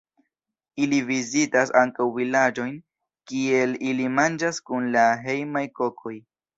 Ili vizitas ankaŭ vilaĝojn kie ili manĝas kun la hejmaj kokoj.